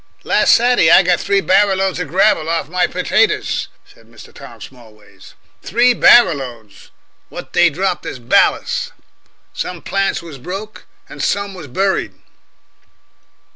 "Larst Satiday I got three barrer loads of gravel off my petaters," said Mr. Tom Smallways. "Three barrer loads! What they dropped as ballase. Some of the plants was broke, and some was buried."